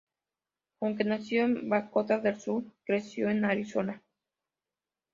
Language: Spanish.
Aunque nacido en Dakota del Sur, creció en Arizona.